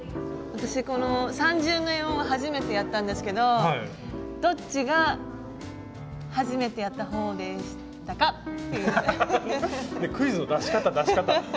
私この三重縫いを初めてやったんですけどどっちが初めてやった方でしたか？